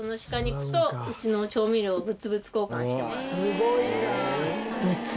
すごいな！